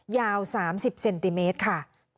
ยาว๓๐เซนติเมตรค่ะ